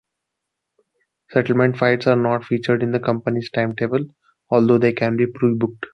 Settlement flights are not featured in the company's timetable, although they can be pre-booked.